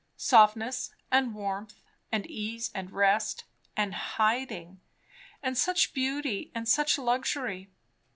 Softness and warmth and ease and rest, and hiding, and such beauty and such luxury!